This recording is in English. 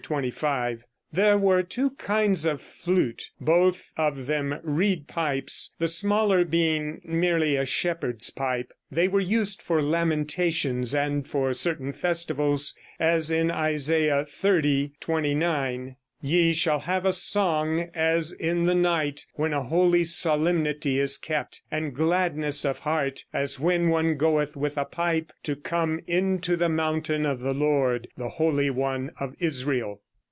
25.) There were two kinds of flute, both of them reed pipes, the smaller being merely a shepherd's pipe. They were used for lamentations and for certain festivals, as in Isaiah xxx, 29: "Ye shall have a song as in the night when a holy solemnity is kept; and gladness of heart as when one goeth with a pipe to come into the mountain of the Lord, the Holy One of Israel."